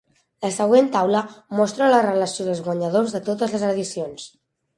La següent taula mostra la relació dels guanyadors de totes les edicions.